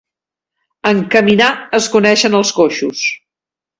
En caminar es coneixen els coixos.